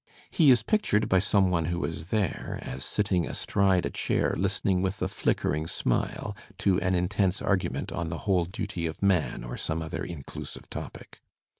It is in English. He is pictured by some one who was thefre as sitting astride a chair listening with a flickering smile to an intense argument on the whole duty of man or some other inclusive topic.